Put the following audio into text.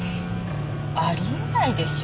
ありえないでしょ。